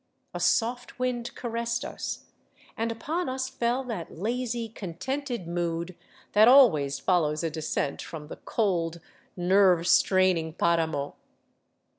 A soft wind caressed us, and upon us fell that lazy, contented mood that always follows a descent from the cold, nerve straining paramo.